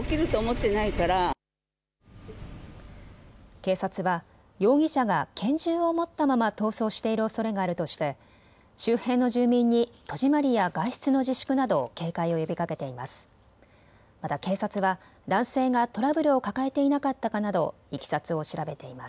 警察は容疑者が拳銃を持ったまま逃走しているおそれがあるとして周辺の住民に戸締まりや外出の自粛など警戒を呼びかけています。